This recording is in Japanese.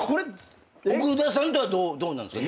奥田さんとはどうなんですか？